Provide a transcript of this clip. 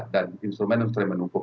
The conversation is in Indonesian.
dan instrumen instrumen hukum